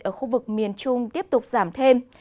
ở khu vực miền trung tiếp tục giảm thêm